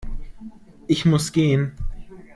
Ich muss gehen